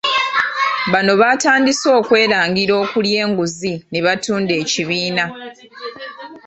Bano batandise okwerangira okulya enguzi ne batunda ekibiina .